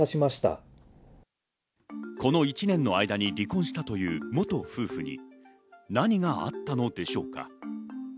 この１年の間に離婚したという元夫婦に何があったのでしょうか。